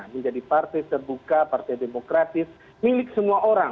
menjadi partai terbuka partai demokratis milik semua orang